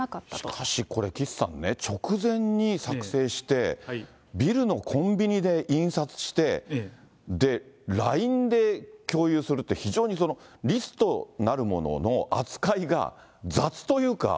しかしこれ、岸さんね、直前に作成して、ビルのコンビニで印刷して、ＬＩＮＥで共有するって、非常にリストなるものの扱いが雑というか。